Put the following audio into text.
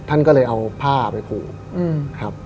ท่านก็เลยเอาผ้าไปผูกครับ